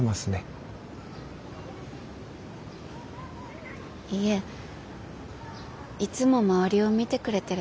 いえいつも周りを見てくれてるのは坂東さんのほうです。